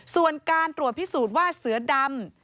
ส่วนการตรวจพิสูจน์ว่าเสือดำ